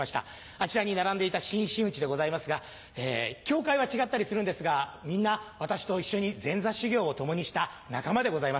あちらに並んでいた新真打でございますが協会は違ったりするんですがみんな私と一緒に前座修業を共にした仲間でございます。